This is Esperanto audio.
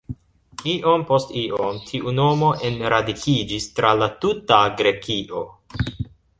Iom post iom tiu nomo enradikiĝis tra la tuta Grekio.